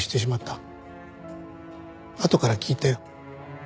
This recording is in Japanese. あとから聞いたよ